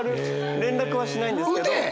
連絡はしないんですけど。